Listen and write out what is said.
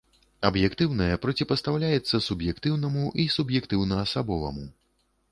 Аб'ектыўнае проціпастаўляецца суб'ектыўнаму і суб'ектыўна-асабоваму.